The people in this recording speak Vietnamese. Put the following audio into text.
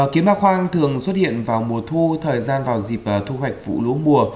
kiến ba khoang thường xuất hiện vào mùa thu thời gian vào dịp thu hoạch vụ lúa mùa